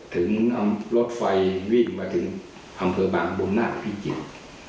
ถึงนำรถไฟวิ่งมาถึงอำเภอบางบมนาคพิจิตร